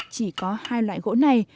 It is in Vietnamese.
chỉ có hai loại gỗ này